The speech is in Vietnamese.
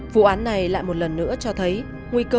vụ án này lại một lần nữa cho thấy